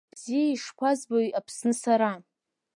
Бзиа ишԥазбои Аԥсны сара!